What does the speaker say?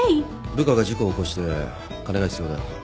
「部下が事故を起こして金が必要だ」